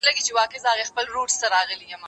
زه هره ورځ کتابونه ليکم!؟!؟